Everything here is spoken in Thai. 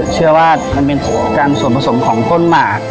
เชื่อว่ามันเป็นการส่วนผสมของก้นหมาก